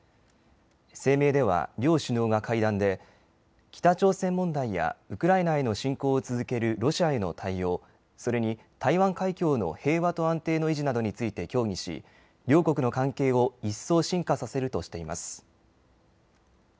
声明では両首脳が会談で北朝鮮問題やウクライナへの侵攻を続けるロシアへの対応、それに台湾海峡の平和と安定の維持などについて協議し両国の関係を一層深化させるとしています。